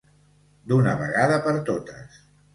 D'una vegada per totes.